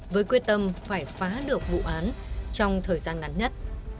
với quyết tâm phải phá được vụ án trong thời gian ngắn nhất